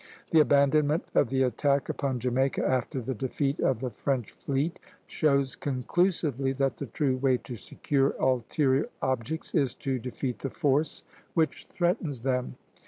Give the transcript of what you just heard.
The abandonment of the attack upon Jamaica, after the defeat of the French fleet, shows conclusively that the true way to secure ulterior objects is to defeat the force which threatens them.